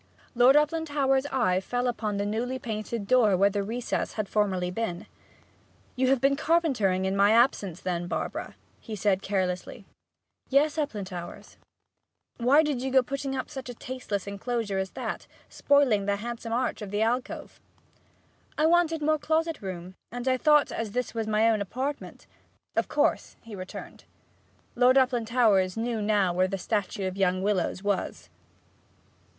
Lord Uplandtowers' eye fell upon the newly painted door where the recess had formerly been. 'You have been carpentering in my absence then, Barbara,' he said carelessly. 'Yes, Uplandtowers.' 'Why did you go putting up such a tasteless enclosure as that spoiling the handsome arch of the alcove?' 'I wanted more closet room; and I thought that as this was my own apartment ' 'Of course,' he returned. Lord Uplandtowers knew now where the statue of young Willowes was.